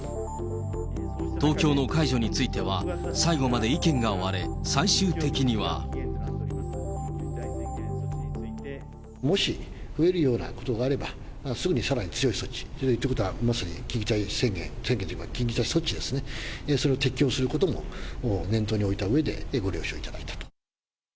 東京の解除については、最後まで意見が割れ、最終的には。もし増えるようなことがあれば、すぐにさらに強い措置、ということはまさに緊急事態宣言、緊急事態措置ですね、それを適用することも念頭に置いたうえでご了承いただいた。